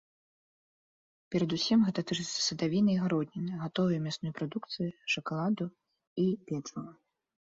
Перадусім гэта тычыцца садавіны і гародніны, гатовай мясной прадукцыі, шакаладу і печыва.